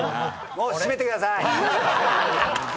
もう閉めてください。